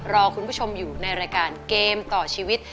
รอคุณผู้ชมอยู่ในรายการเกมต่อชีวิต